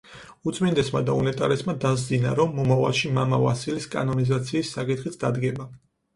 უწმინდესმა და უნეტარესმა დასძინა, რომ მომავალში მამა ვასილის კანონიზაციის საკითხიც დადგება.